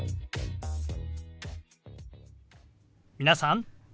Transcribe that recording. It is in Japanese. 皆さん。